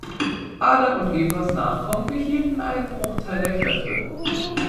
Adam und Evas Nachkommen behielten einen Bruchteil der Kräfte.